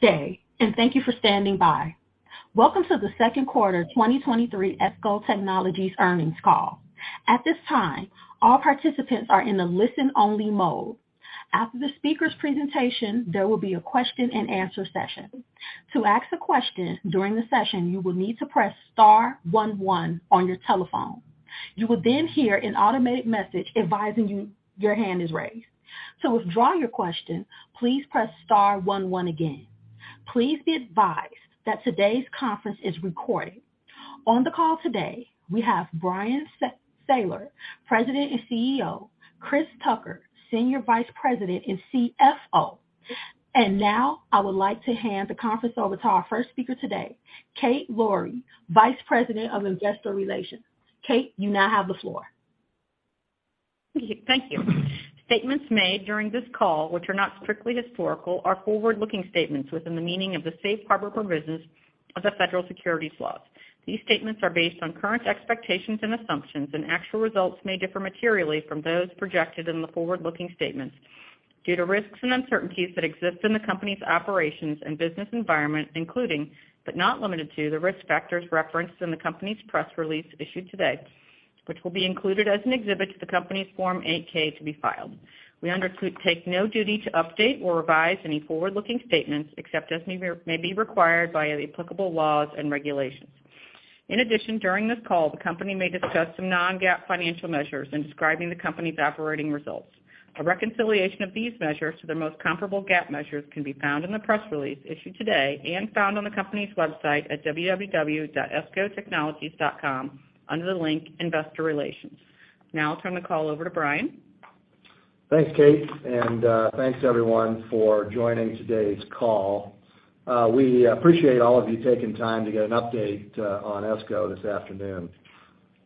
Good day, and thank you for standing by. Welcome to the second quarter 2023 ESCO Technologies earnings call. At this time, all participants are in a listen-only mode. After the speaker's presentation, there will be a question-and-answer session. To ask a question during the session, you will need to press star one one on your telephone. You will then hear an automated message advising you your hand is raised. To withdraw your question, please press star one one again. Please be advised that today's conference is recorded. On the call today, we have Bryan Sayler, President and CEO, Chris Tucker, Senior Vice President and CFO. Now I would like to hand the conference over to our first speaker today, Kate Lowrey, Vice President of Investor Relations. Kate, you now have the floor. Thank you. Statements made during this call, which are not strictly historical, are forward-looking statements within the meaning of the safe harbor provisions of the federal securities laws. These statements are based on current expectations and assumptions, and actual results may differ materially from those projected in the forward-looking statements due to risks and uncertainties that exist in the company's operations and business environment, including, but not limited to, the risk factors referenced in the company's press release issued today, which will be included as an exhibit to the company's Form 8-K to be filed. We take no duty to update or revise any forward-looking statements except as may be required by the applicable laws and regulations. In addition, during this call, the company may discuss some non-GAAP financial measures in describing the company's operating results. A reconciliation of these measures to their most comparable GAAP measures can be found in the press release issued today and found on the company's website at www.escotechnologies.com under the link Investor Relations. I'll turn the call over to Bryan. Thanks, Kate, thanks everyone for joining today's call. We appreciate all of you taking time to get an update on ESCO this afternoon.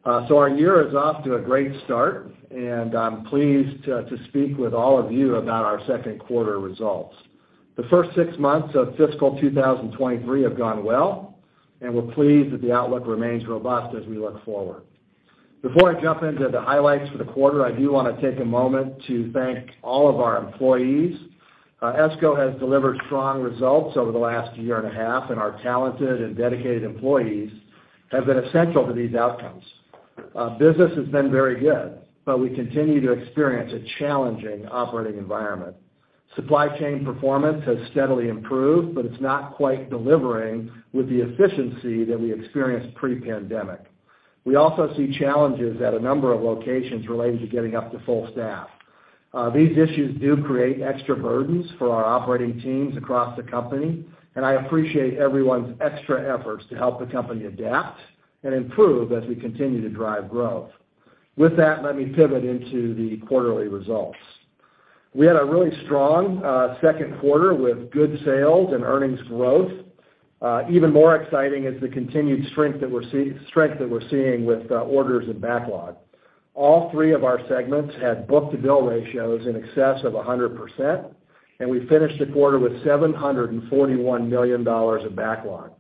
Our year is off to a great start, and I'm pleased to speak with all of you about our second quarter results. The first six months of fiscal 2023 have gone well, and we're pleased that the outlook remains robust as we look forward. Before I jump into the highlights for the quarter, I do wanna take a moment to thank all of our employees. ESCO has delivered strong results over the last year and a half, and our talented and dedicated employees have been essential to these outcomes. Business has been very good, we continue to experience a challenging operating environment. Supply chain performance has steadily improved, but it's not quite delivering with the efficiency that we experienced pre-pandemic. We also see challenges at a number of locations related to getting up to full staff. These issues do create extra burdens for our operating teams across the company, and I appreciate everyone's extra efforts to help the company adapt and improve as we continue to drive growth. With that, let me pivot into the quarterly results. We had a really strong second quarter with good sales and earnings growth. Even more exciting is the continued strength that we're seeing with orders and backlog. All three of our segments had book-to-bill ratios in excess of 100%, and we finished the quarter with $741 million of backlog.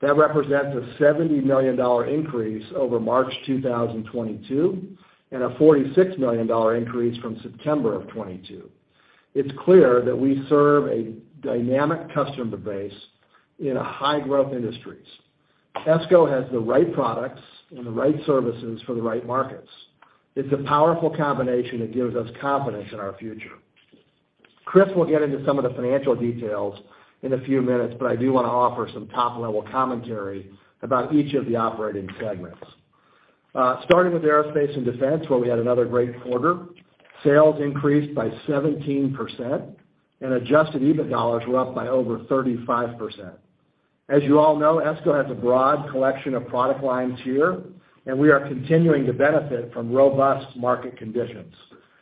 That represents a $70 million increase over March 2022, and a $46 million increase from September of 2022. It's clear that we serve a dynamic customer base in high-growth industries. ESCO has the right products and the right services for the right markets. It's a powerful combination that gives us confidence in our future. Chris will get into some of the financial details in a few minutes, but I do wanna offer some top-level commentary about each of the operating segments. Starting with Aerospace & Defense, where we had another great quarter. Sales increased by 17%, and Adjusted EBIT dollars were up by over 35%. As you all know, ESCO has a broad collection of product lines here, and we are continuing to benefit from robust market conditions.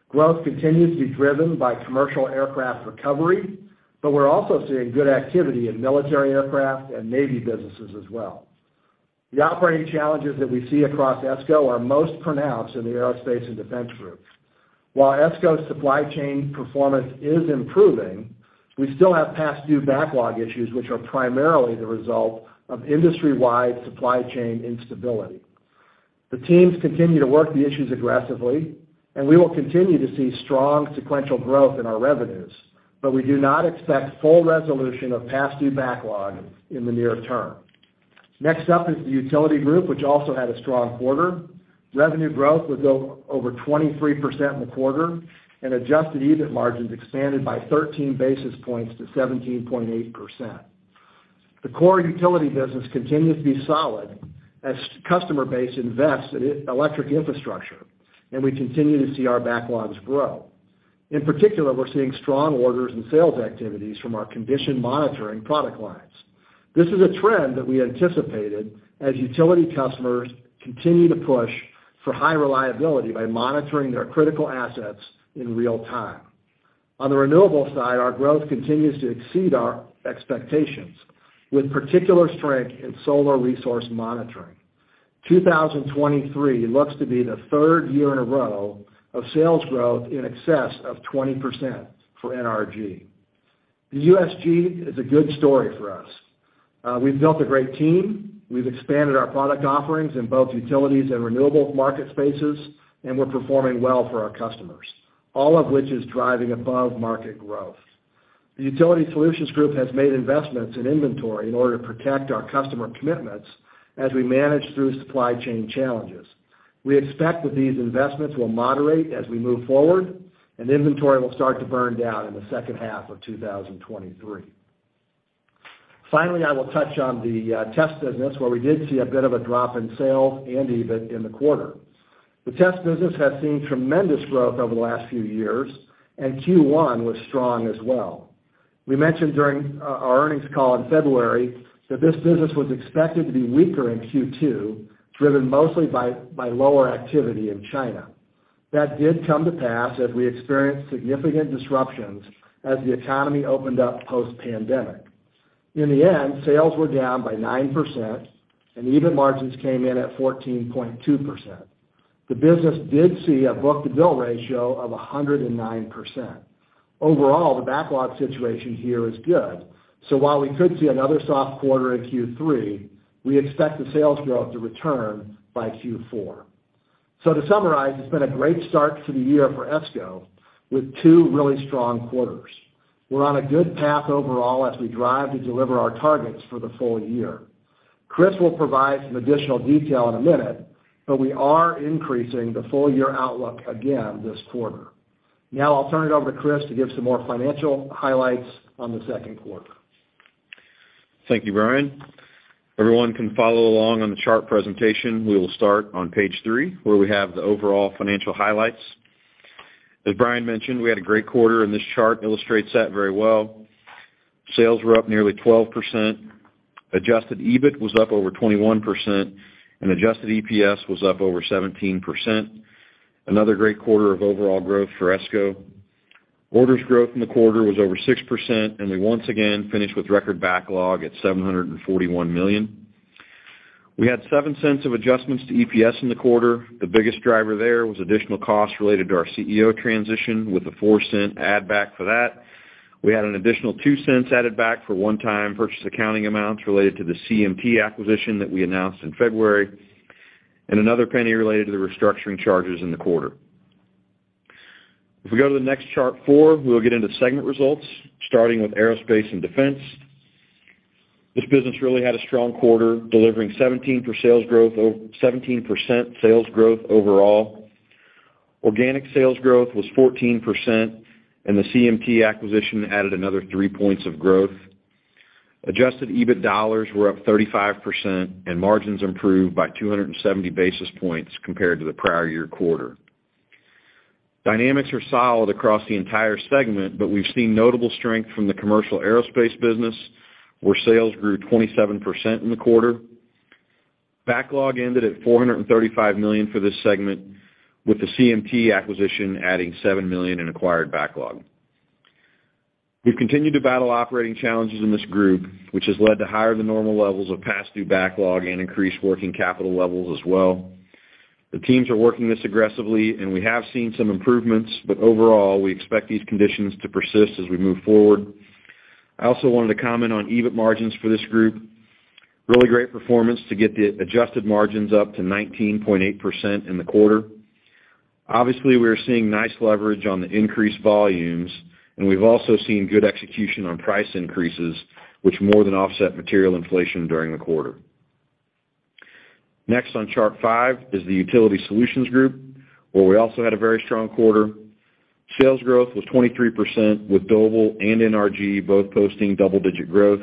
Growth continues to be driven by commercial aircraft recovery, but we're also seeing good activity in military aircraft and Navy businesses as well. The operating challenges that we see across ESCO are most pronounced in the Aerospace & Defense group. While ESCO's supply chain performance is improving, we still have past due backlog issues which are primarily the result of industry-wide supply chain instability. The teams continue to work the issues aggressively, and we will continue to see strong sequential growth in our revenues, but we do not expect full resolution of past due backlog in the near term. Next up is the Utility group, which also had a strong quarter. Revenue growth was over 23% in the quarter, and Adjusted EBIT margins expanded by 13 basis points to 17.8%. The core utility business continues to be solid as customer base invests in electric infrastructure. We continue to see our backlogs grow. In particular, we're seeing strong orders and sales activities from our condition monitoring product lines. This is a trend that we anticipated as utility customers continue to push for high reliability by monitoring their critical assets in real time. On the renewables side, our growth continues to exceed our expectations, with particular strength in solar resource monitoring. 2023 looks to be the third year in a row of sales growth in excess of 20% for NRG. The USG is a good story for us. We've built a great team. We've expanded our product offerings in both utilities and renewable market spaces. We're performing well for our customers, all of which is driving above-market growth. The Utility Solutions Group has made investments in inventory in order to protect our customer commitments as we manage through supply chain challenges. We expect that these investments will moderate as we move forward, and inventory will start to burn down in the second half of 2023. Finally, I will touch on the test business, where we did see a bit of a drop in sales and EBIT in the quarter. The test business has seen tremendous growth over the last few years, and Q1 was strong as well. We mentioned during our earnings call in February that this business was expected to be weaker in Q2, driven mostly by lower activity in China. That did come to pass as we experienced significant disruptions as the economy opened up post-pandemic. In the end, sales were down by 9%, and EBIT margins came in at 14.2%. The business did see a book-to-bill ratio of 109%. Overall, the backlog situation here is good. While we could see another soft quarter in Q3, we expect the sales growth to return by Q4. To summarize, it's been a great start to the year for ESCO, with two really strong quarters. We're on a good path overall as we drive to deliver our targets for the full year. Chris will provide some additional detail in a minute. We are increasing the full year outlook again this quarter. I'll turn it over to Chris to give some more financial highlights on the second quarter. Thank you, Bryan. Everyone can follow along on the chart presentation. We will start on page three, where we have the overall financial highlights. As Bryan mentioned, we had a great quarter, and this chart illustrates that very well. Sales were up nearly 12%. Adjusted EBIT was up over 21%, and Adjusted EPS was up over 17%. Another great quarter of overall growth for ESCO. Orders growth in the quarter was over 6%, and we once again finished with record backlog at $741 million. We had $0.07 of adjustments to EPS in the quarter. The biggest driver there was additional costs related to our CEO transition, with a $0.04 add back for that. We had an additional $0.02 added back for one-time purchase accounting amounts related to the CMT acquisition that we announced in February, and another $0.01 related to the restructuring charges in the quarter. We will get into segment results, starting with Aerospace & Defense. This business really had a strong quarter, delivering 17% sales growth overall. Organic sales growth was 14%, and the CMT acquisition added another three points of growth. Adjusted EBIT dollars were up 35%, and margins improved by 270 basis points compared to the prior year quarter. Dynamics are solid across the entire segment, but we've seen notable strength from the commercial aerospace business, where sales grew 27% in the quarter. Backlog ended at $435 million for this segment, with the CMT acquisition adding $7 million in acquired backlog. We've continued to battle operating challenges in this group, which has led to higher than normal levels of past due backlog and increased working capital levels as well. The teams are working this aggressively, and we have seen some improvements, but overall, we expect these conditions to persist as we move forward. I also wanted to comment on EBIT margins for this group. Really great performance to get the Adjusted margins up to 19.8% in the quarter. Obviously, we are seeing nice leverage on the increased volumes, and we've also seen good execution on price increases, which more than offset material inflation during the quarter. Next on Chart 5 is the Utility Solutions Group, where we also had a very strong quarter. Sales growth was 23%, with Doble and NRG both posting double-digit growth.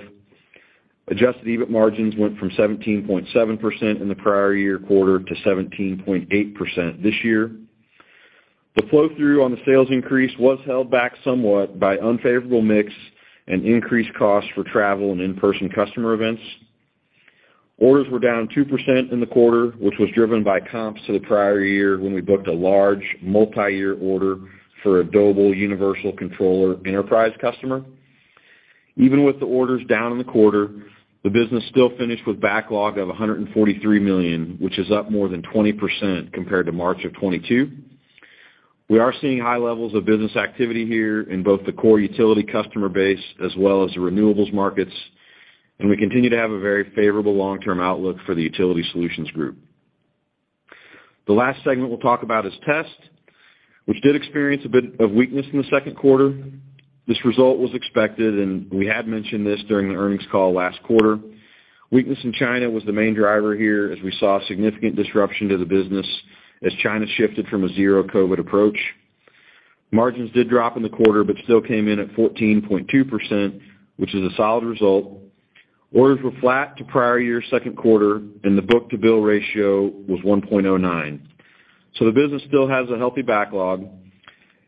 Adjusted EBIT margins went from 17.7% in the prior year quarter to 17.8% this year. The flow-through on the sales increase was held back somewhat by unfavorable mix and increased costs for travel and in-person customer events. Orders were down 2% in the quarter, which was driven by comps to the prior year when we booked a large multi-year order for a Doble Universal Controller enterprise customer. Even with the orders down in the quarter, the business still finished with backlog of $143 million, which is up more than 20% compared to March of 2022. We are seeing high levels of business activity here in both the core utility customer base as well as the renewables markets, and we continue to have a very favorable long-term outlook for the Utility Solutions Group. The last segment we'll talk about is Test, which did experience a bit of weakness in the second quarter. This result was expected, and we had mentioned this during the earnings call last quarter. Weakness in China was the main driver here, as we saw significant disruption to the business as China shifted from a Zero-COVID approach. Margins did drop in the quarter, but still came in at 14.2%, which is a solid result. Orders were flat to prior year second quarter, and the book-to-bill ratio was 1.09. The business still has a healthy backlog.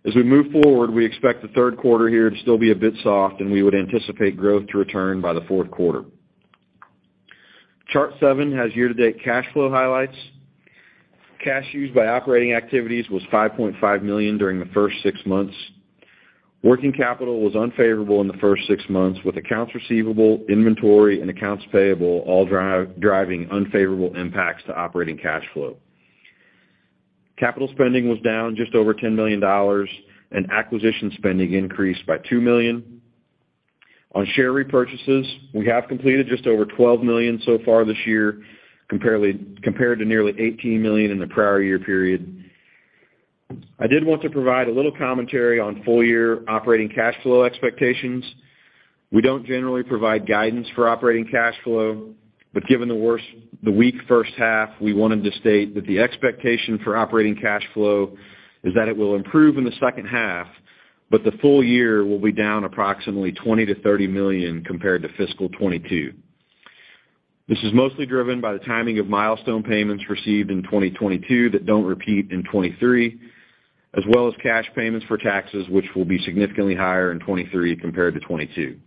We expect the third quarter here to still be a bit soft, and we would anticipate growth to return by the fourth quarter. Chart 7 has year-to-date cash flow highlights. Cash used by operating activities was $5.5 million during the first six months. Working capital was unfavorable in the first six months, with accounts receivable, inventory, and accounts payable all driving unfavorable impacts to operating cash flow. Capital spending was down just over $10 million and acquisition spending increased by $2 million. We have completed just over $12 million so far this year compared to nearly $18 million in the prior year period. I did want to provide a little commentary on full year operating cash flow expectations. We don't generally provide guidance for operating cash flow, but given the weak first half, we wanted to state that the expectation for operating cash flow is that it will improve in the second half, but the full year will be down approximately $20 million-$30 million compared to fiscal 2022. This is mostly driven by the timing of milestone payments received in 2022 that don't repeat in 2023, as well as cash payments for taxes, which will be significantly higher in 2023 compared to 2022.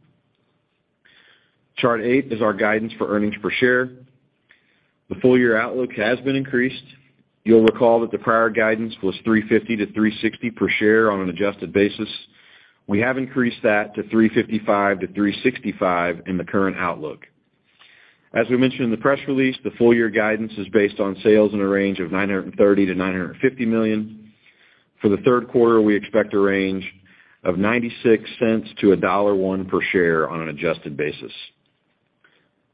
Chart 8 is our guidance for earnings per share. The full year outlook has been increased. You'll recall that the prior guidance was $3.50-$3.60 per share on an Adjusted basis. We have increased that to $3.55-$3.65 in the current outlook. As we mentioned in the press release, the full year guidance is based on sales in a range of $930 million-$950 million. For the third quarter, we expect a range of $0.96-$1.01 per share on an adjusted basis.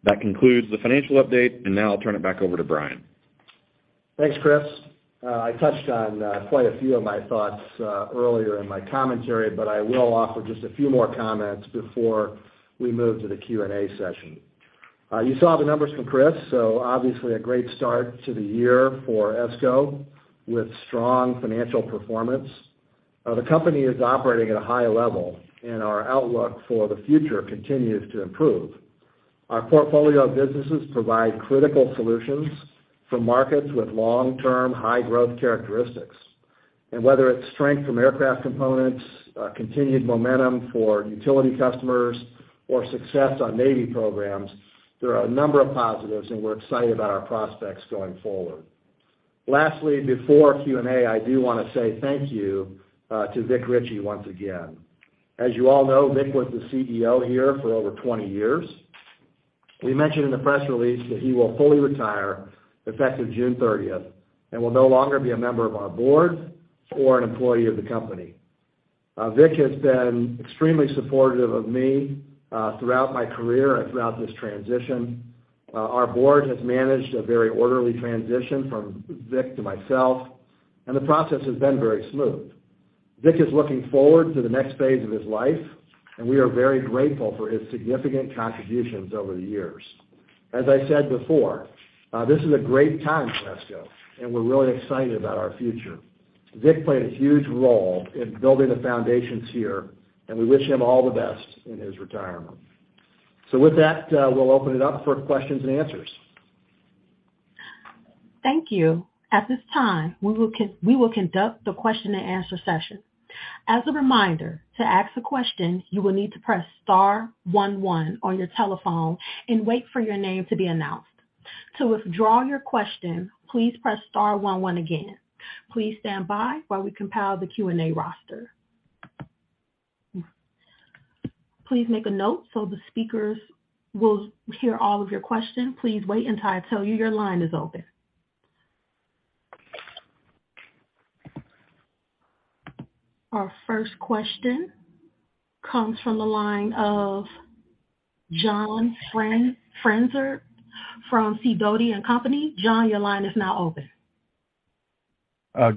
That concludes the financial update. I'll turn it back over to Bryan Sayler. Thanks, Chris. I touched on quite a few of my thoughts earlier in my commentary. I will offer just a few more comments before we move to the Q&A session. You saw the numbers from Chris, obviously a great start to the year for ESCO with strong financial performance. The company is operating at a high level. Our outlook for the future continues to improve. Our portfolio of businesses provide critical solutions for markets with long-term high growth characteristics. Whether it's strength from aircraft components, continued momentum for utility customers or success on Navy programs, there are a number of positives. We're excited about our prospects going forward. Lastly, before Q&A, I do wanna say thank you to Vic Richey once again. As you all know, Vic was the CEO here for over 20 years. We mentioned in the press release that he will fully retire effective June 30th and will no longer be a member of our board or an employee of the company. Vic has been extremely supportive of me throughout my career and throughout this transition. Our board has managed a very orderly transition from Vic to myself, and the process has been very smooth. Vic is looking forward to the next phase of his life, and we are very grateful for his significant contributions over the years. As I said before, this is a great time for ESCO, and we're really excited about our future. Vic played a huge role in building the foundations here, and we wish him all the best in his retirement. With that, we'll open it up for questions and answers. Thank you. At this time, we will conduct the question and answer session. As a reminder, to ask a question, you will need to press star one one on your telephone and wait for your name to be announced. To withdraw your question, please press star one one again. Please stand by while we compile the Q&A roster. Please make a note so the speakers will hear all of your questions. Please wait until I tell you your line is open. Our first question comes from the line of John Franzreb from Sidoti & Company. John, your line is now open.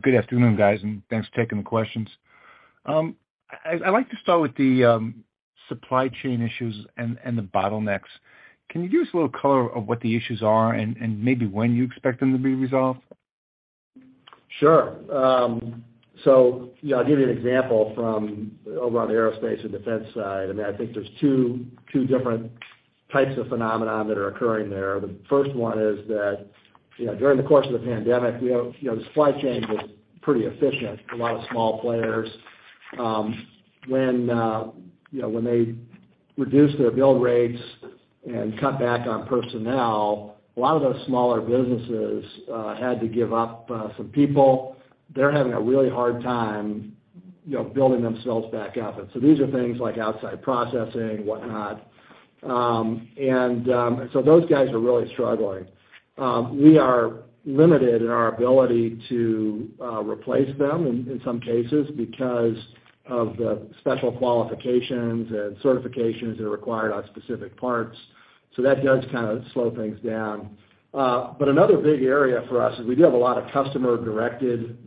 Good afternoon, guys. Thanks for taking the questions. I'd like to start with the supply chain issues and the bottlenecks. Can you give us a little color of what the issues are and maybe when you expect them to be resolved? Sure. Yeah, I'll give you an example from over on the Aerospace & Defense side. I mean, I think there's two different types of phenomenon that are occurring there. The first one is that, you know, during the course of the pandemic, we have, you know, supply chain was pretty efficient for a lot of small players. When, you know, when they reduced their build rates and cut back on personnel, a lot of those smaller businesses had to give up some people. They're having a really hard time, you know, building themselves back up. These are things like outside processing, whatnot. Those guys are really struggling. We are limited in our ability to replace them in some cases because of the special qualifications and certifications that are required on specific parts. That does kind of slow things down. But another big area for us is we do have a lot of customer-directed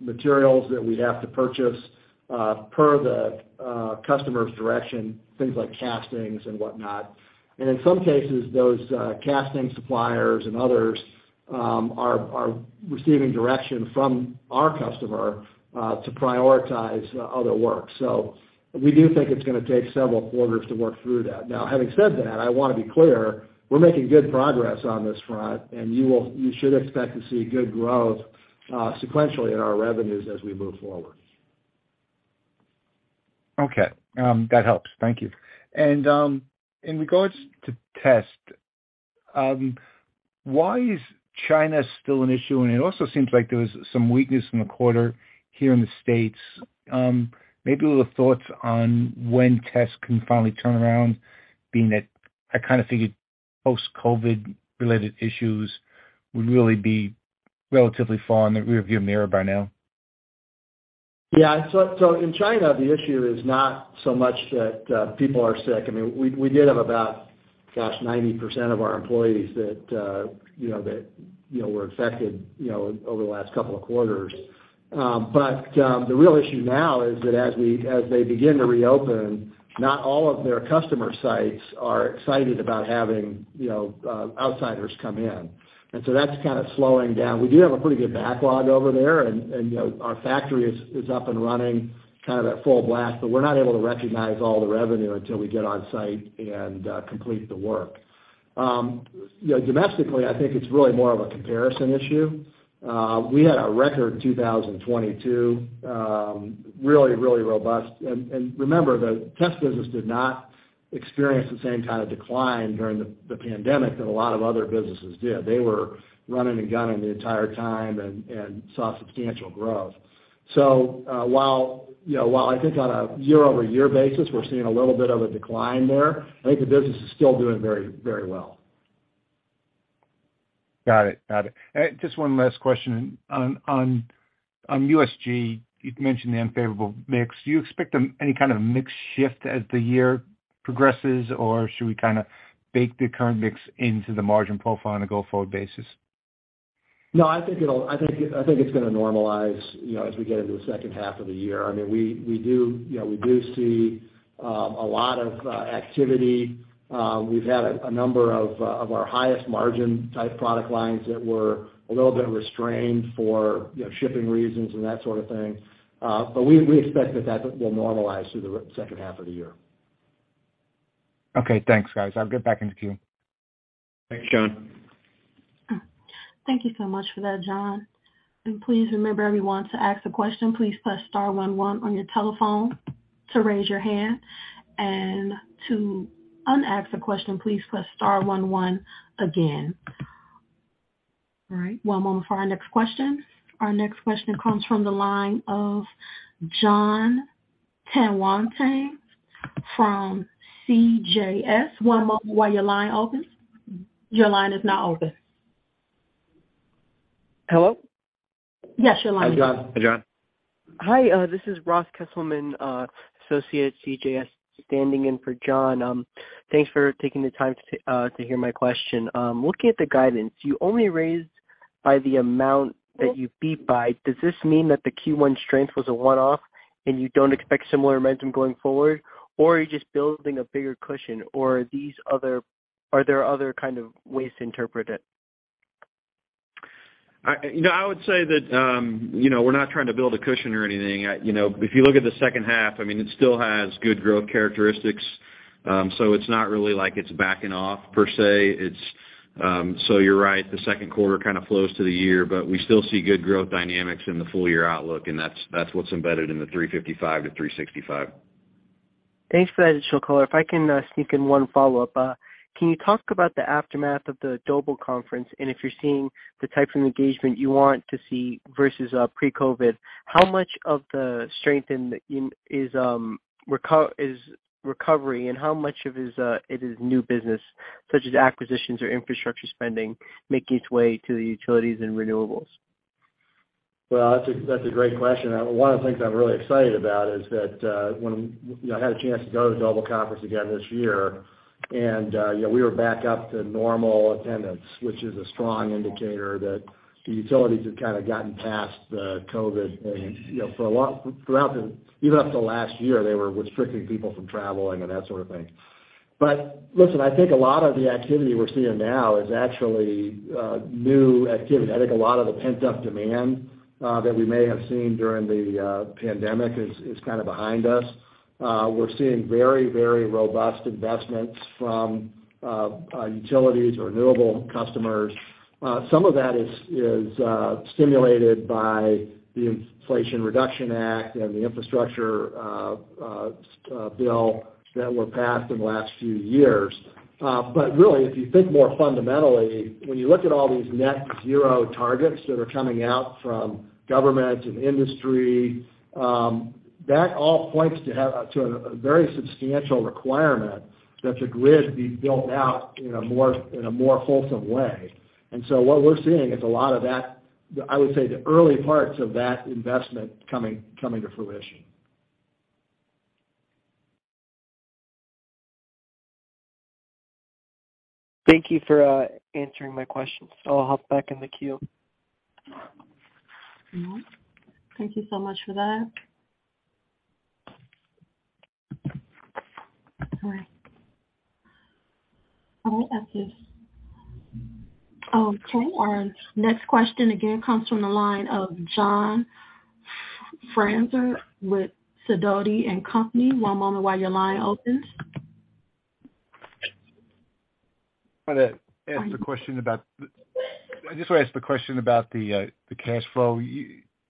materials that we'd have to purchase per the customer's direction, things like castings and whatnot. In some cases, those casting suppliers and others are receiving direction from our customer to prioritize other work. We do think it's gonna take several quarters to work through that. Now, having said that, I wanna be clear, we're making good progress on this front, and you should expect to see good growth sequentially in our revenues as we move forward. Okay. That helps. Thank you. In regards to test, why is China still an issue? It also seems like there was some weakness in the quarter here in the States. Maybe a little thoughts on when tests can finally turn around, being that I kinda figured post-COVID related issues would really be relatively far in the rear view mirror by now. Yeah. In China, the issue is not so much that people are sick. I mean, we did have about, gosh, 90% of our employees that, you know, that, you know, were affected, you know, over the last couple of quarters. The real issue now is that as they begin to reopen, not all of their customer sites are excited about having, you know, outsiders come in. That's kinda slowing down. We do have a pretty good backlog over there and, you know, our factory is up and running kind of at full blast, but we're not able to recognize all the revenue until we get on site and complete the work. You know, domestically, I think it's really more of a comparison issue. We had a record 2022, really, really robust. Remember, the test business did not experience the same kind of decline during the pandemic that a lot of other businesses did. They were running and gunning the entire time and saw substantial growth. While, you know, I think on a year-over-year basis, we're seeing a little bit of a decline there, I think the business is still doing very, very well. Got it. Got it. Just one last question. On USG, you've mentioned the unfavorable mix. Do you expect them any kind of mix shift as the year progresses, or should we kind of bake the current mix into the margin profile on a go-forward basis? No, I think it's gonna normalize, you know, as we get into the second half of the year. I mean, we do, you know, we do see a lot of activity. We've had a number of our highest margin type product lines that were a little bit restrained for, you know, shipping reasons and that sort of thing. We expect that will normalize through the second half of the year. Okay, thanks, guys. I'll get back in the queue. Thanks, John. Thank you so much for that, John. Please remember, everyone, to ask a question, please press star one one on your telephone to raise your hand. To un-ask a question, please press star one one again. All right, one moment for our next question. Our next question comes from the line of Jonathan Tanwanteng from CJS. One moment while your line opens. Your line is now open. Hello? Yes, your line is- Hi, John. Hi, John. Hi, this is Ross Kesselman, associate CJS, standing in for John. Thanks for taking the time to hear my question. Looking at the guidance, you only raised by the amount that you beat by. Does this mean that the Q1 strength was a one-off, and you don't expect similar momentum going forward, or are you just building a bigger cushion, or are there other kind of ways to interpret it? I, you know, I would say that, you know, we're not trying to build a cushion or anything. You know, if you look at the second half, I mean, it still has good growth characteristics. It's not really like it's backing off per se. It's, you're right, the second quarter kind of flows to the year, but we still see good growth dynamics in the full year outlook, and that's what's embedded in the $3.55-$3.65. Thanks for that additional color. If I can sneak in one follow-up. Can you talk about the aftermath of the Doble conference, and if you're seeing the type of engagement you want to see versus pre-COVID? How much of the strength in is recovery, and how much of it is new business, such as acquisitions or infrastructure spending, making its way to the utilities and renewables? Well, that's a great question. One of the things I'm really excited about is that, when, you know, I had a chance to go to the Doble conference again this year, and, you know, we were back up to normal attendance, which is a strong indicator that the utilities have kinda gotten past the COVID thing. You know, even up till last year, they were restricting people from traveling and that sort of thing. Listen, I think a lot of the activity we're seeing now is actually new activity. I think a lot of the pent-up demand that we may have seen during the pandemic is kinda behind us. We're seeing very robust investments from utilities or renewable customers. Some of that is stimulated by the Inflation Reduction Act and the infrastructure bill that were passed in the last few years. Really, if you think more fundamentally, when you look at all these net zero targets that are coming out from government and industry, that all points to a very substantial requirement that the grid be built out in a more wholesome way. What we're seeing is a lot of that, I would say, the early parts of that investment coming to fruition. Thank you for answering my questions. I'll hop back in the queue. Mm-hmm. Thank you so much for that. All right. All right. That's it. Okay. Our next question again comes from the line of John Franzreb with Sidoti & Company. One moment while your line opens. I just wanna ask the question about the cash flow.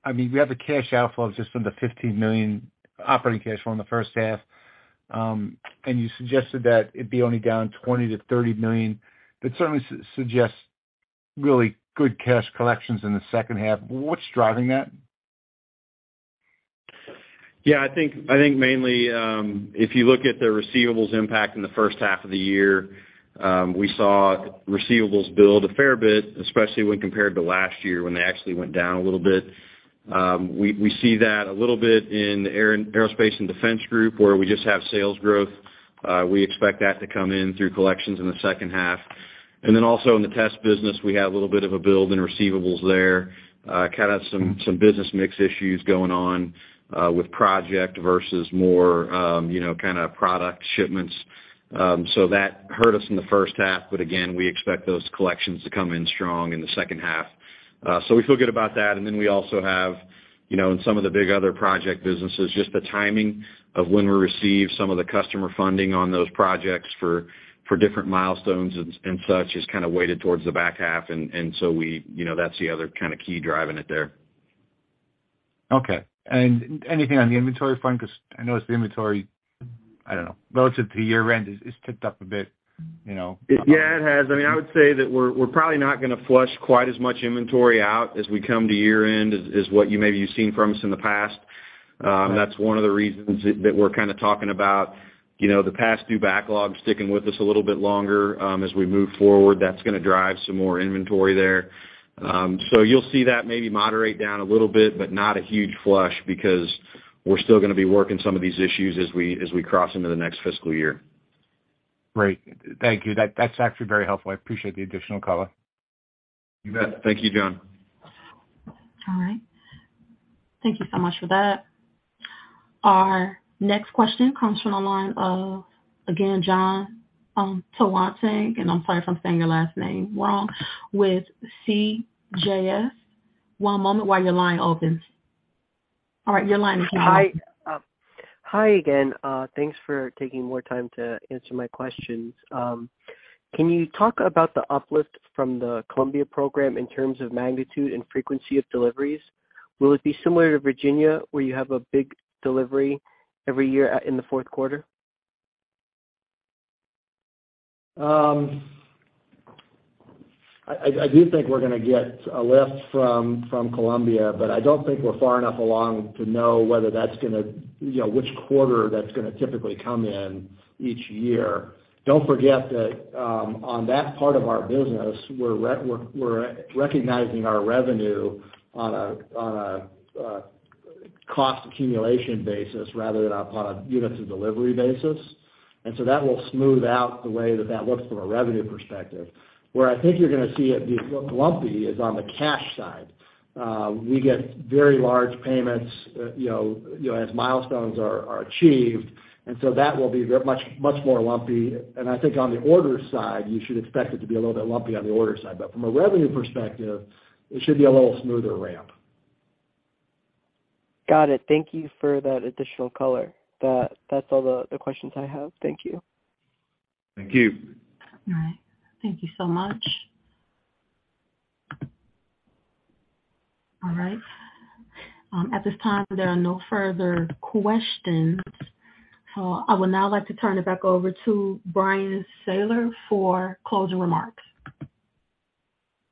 I mean, we have the cash outflows just from the $15 million operating cash flow in the first half. You suggested that it'd be only down $20 million-$30 million, that certainly suggests really good cash collections in the second half. What's driving that? Yeah, I think mainly, if you look at the receivables impact in the first half of the year, we saw receivables build a fair bit, especially when compared to last year when they actually went down a little bit. We see that a little bit in Aerospace & Defense group, where we just have sales growth. We expect that to come in through collections in the second half. Also in the test business, we have a little bit of a build in receivables there, kind of some business mix issues going on, with project versus more, you know, kind of product shipments. That hurt us in the first half, but again, we expect those collections to come in strong in the second half. We feel good about that. We also have, you know, in some of the big other project businesses, just the timing of when we receive some of the customer funding on those projects for different milestones and such is kinda weighted towards the back half and so we, you know, that's the other kinda key driving it there. Okay. Anything on the inventory front? 'Cause I know it's the inventory, I don't know, relative to year-end is ticked up a bit, you know. Yeah, it has. I mean, I would say that we're probably not gonna flush quite as much inventory out as we come to year-end as what you maybe have seen from us in the past. That's one of the reasons that we're kinda talking about, you know, the past due backlog sticking with us a little bit longer as we move forward. That's gonna drive some more inventory there. You'll see that maybe moderate down a little bit, but not a huge flush because we're still gonna be working some of these issues as we cross into the next fiscal year. Great. Thank you. That's actually very helpful. I appreciate the additional color. You bet. Thank you, John. All right. Thank you so much for that. Our next question comes from the line of, again, John Tanwanteng, and I'm sorry if I'm saying your last name wrong, with CJS. One moment while your line opens. All right, your line is now open. Hi. Hi again. Thanks for taking more time to answer my questions. Can you talk about the uplift from the Columbia program in terms of magnitude and frequency of deliveries? Will it be similar to Virginia, where you have a big delivery every year in the fourth quarter? I do think we're gonna get a lift from Columbia. I don't think we're far enough along to know whether that's gonna, you know, which quarter that's gonna typically come in each year. Don't forget that on that part of our business, we're recognizing our revenue on a cost accumulation basis rather than up on a units of delivery basis. That will smooth out the way that that looks from a revenue perspective. Where I think you're gonna see it be more lumpy is on the cash side. We get very large payments, you know, you know, as milestones are achieved, that will be much more lumpy. I think on the order side, you should expect it to be a little bit lumpy on the order side. From a revenue perspective, it should be a little smoother ramp. Got it. Thank you for that additional color. That's all the questions I have. Thank you. Thank you. All right. Thank you so much. All right. At this time, there are no further questions. I would now like to turn it back over to Bryan Sayler for closing remarks.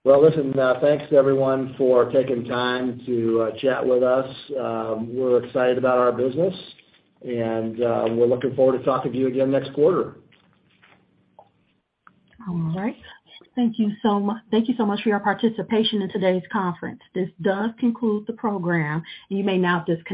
Well, listen, thanks to everyone for taking time to chat with us. We're excited about our business, and we're looking forward to talking to you again next quarter. Thank you so much for your participation in today's conference. This does conclude the program. You may now disconnect.